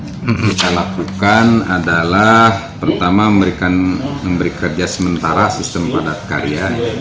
yang kita lakukan adalah pertama memberikan memberi kerja sementara sistem padat karya